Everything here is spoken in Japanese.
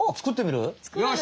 よし！